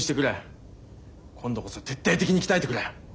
今度こそ徹底的に鍛えてくれ。